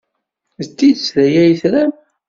D tidet d aya ay tram?